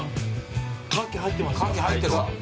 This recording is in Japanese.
カキ入ってます。